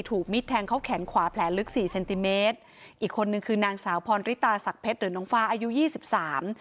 มิดแทงเขาแขนขวาแผลลึกสี่เซนติเมตรอีกคนนึงคือนางสาวพรริตาศักดิ์เพชรหรือน้องฟ้าอายุยี่สิบสาม